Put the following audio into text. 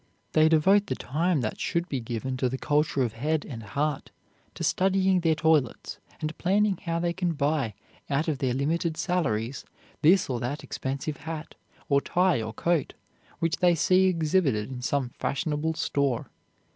They devote the time that should be given to the culture of head and heart to studying their toilets, and planning how they can buy, out of their limited salaries, this or that expensive hat, or tie or coat, which they see exhibited in some fashionable store.